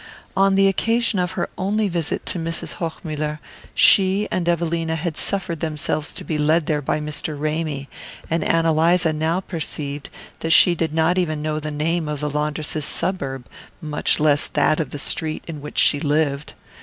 On the occasion of her only visit to Mrs. Hochmuller, she and Evelina had suffered themselves to be led there by Mr. Ramy; and Ann Eliza now perceived that she did not even know the name of the laundress's suburb, much less that of the street in which she lived.